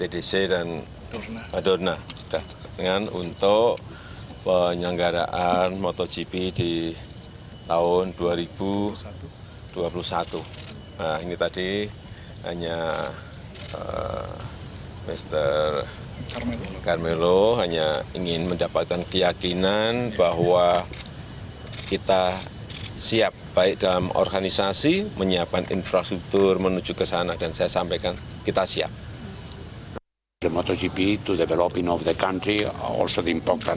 jokowi juga melaporkan hal hal yang dibutuhkan untuk mendukung penyelenggaraan motogp di manalika